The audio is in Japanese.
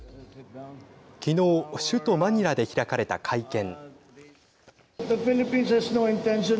昨日首都マニラで開かれた会見。